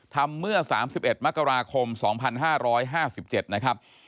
เมื่อ๓๑มกราคม๒๕๕๗นะครับ